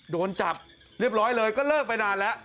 โดนจับเรียบร้อยเลยก็เลิกไปนานแล้ว